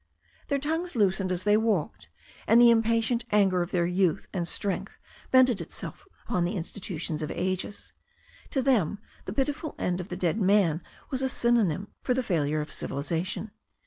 Their tongues loosened as they walked, and the impatient anger of their youth and strength vented itself upon the institutions of ages. To them the pitiful end of the dead man was a synonym for the failure of civilization.